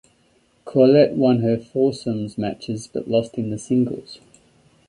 Corlett won her foursomes matches but lost in the singles.